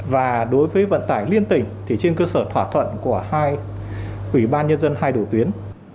và đối với vận tải liên tỉnh thì trên cơ sở thỏa thuận của hai ủy ban nhân dân hai đầu tuyến